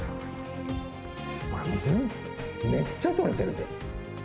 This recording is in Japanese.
ほら見てみめっちゃ取れてるで。